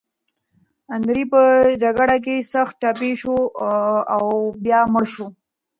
اندرې په جګړه کې سخت ټپي شو او بیا مړ شو.